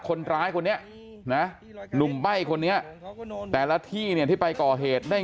คนร้ายคนนี้นะหนุ่มใบ้คนนี้แต่ละที่เนี่ยที่ไปก่อเหตุได้